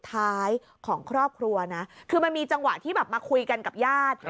ท้ายของครอบครัวนะคือมันมีจังหวะที่แบบมาคุยกันกับญาติ